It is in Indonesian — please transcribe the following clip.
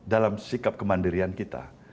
dalam sikap kemandirian kita